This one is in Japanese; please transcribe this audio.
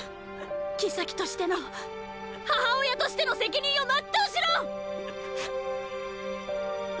后としての母親としての責任を全うしろ！！